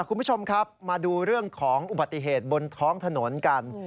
คุณผู้ชมครับมาดูเรื่องของอุบัติเหตุบนท้องถนนกัน